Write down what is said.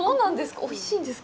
おいしいんですか？